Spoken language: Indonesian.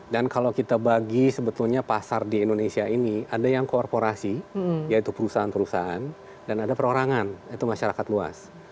dan kalau kita bagi sebetulnya pasar di indonesia ini ada yang korporasi yaitu perusahaan perusahaan dan ada perorangan yaitu masyarakat luas